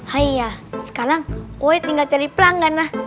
haiya sekarang oe tinggal cari pelanggan lah